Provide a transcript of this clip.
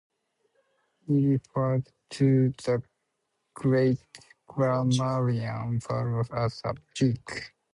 He referred to the great grammarian Varro as a pig.